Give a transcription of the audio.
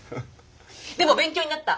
でも勉強になった！